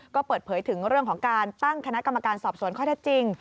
ก็เปิดเผยถึงเรื่องของการตั้งคณะกรรมการสอบสวนข้อเท็จจริง